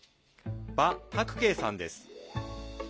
馬沢慧さんです。